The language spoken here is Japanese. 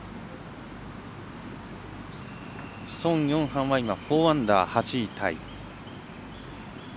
ソン・ヨンハンは４アンダー、８位タイ。